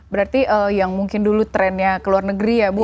berarti yang mungkin dulu trennya ke luar negeri ya bu